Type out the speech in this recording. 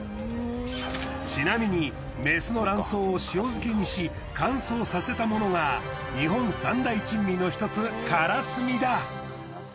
ちなみにメスの卵巣を塩漬けにし乾燥させたものが日本三大珍味の一つカラスミだ。